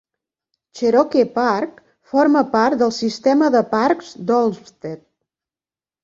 Cherokee Park forma part del sistema de parcs d'Olmsted.